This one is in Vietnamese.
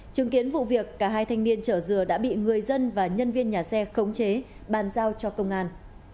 chứng kiến vụ việc cả hai thanh niên chở dừa đã bị người dân và nhân viên nhà xe khống chế bàn giao cho công an